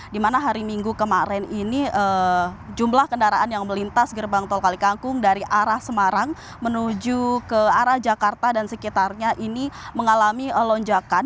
di mana hari minggu kemarin ini jumlah kendaraan yang melintas gerbang tol kalikangkung dari arah semarang menuju ke arah jakarta dan sekitarnya ini mengalami lonjakan